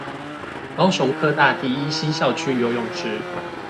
高雄科大第一西校區游泳池